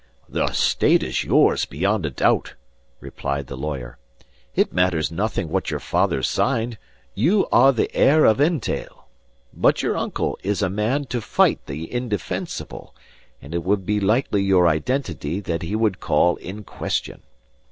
"The estate is yours beyond a doubt," replied the lawyer. "It matters nothing what your father signed, you are the heir of entail. But your uncle is a man to fight the indefensible; and it would be likely your identity that he would call in question.